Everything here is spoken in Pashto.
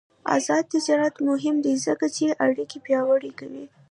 آزاد تجارت مهم دی ځکه چې اړیکې پیاوړې کوي.